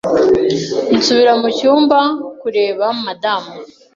nsubira mu cyumba kureba madamu